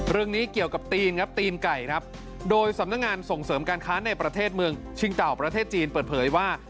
เรื่องนี้เกี่ยวกับตีนครับตีนไก่ครับโดยสำนักงานส่งเสริมการค้าในประเทศเมืองชิงเต่าประเทศจีนเปิดเผยว่า